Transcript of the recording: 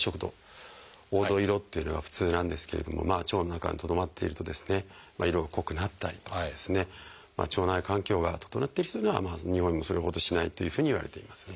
黄土色っていうのが普通なんですけれども腸の中にとどまっているとですね色が濃くなったりとか腸内環境が整っている人というのはにおいもそれほどしないというふうにいわれています。